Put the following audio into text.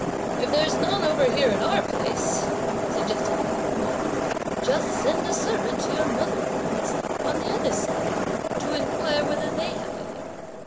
"If there's none over here in our place," suggested madame Wang, "just send a servant to your mother in law's, on the other side, to inquire whether they have any.